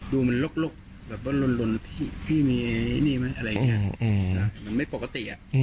ดูมันลกแบบว่าลนที่มีนี่ไหมอะไรอย่างนี้มันไม่ปกติ